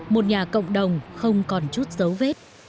một nhà cộng đồng không còn chút dấu vết